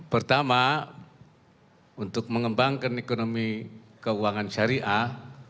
pertama untuk mengembangkan ekonomi keuangan syariah